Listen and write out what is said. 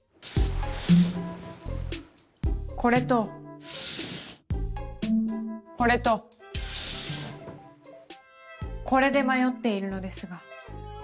これとこれとこれで迷っているのですが。